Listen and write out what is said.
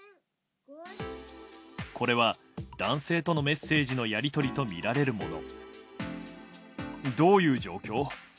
これは男性とのメッセージのやり取りとみられるもの。